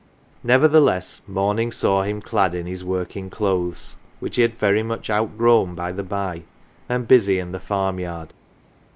Nevertheless, morning saw him clad in his working clothes which he had much outgrown, by the by and busy in the farmyard.